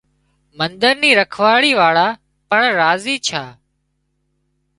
منۮر نِي رکواۯي واۯان پڻ راضي ڇان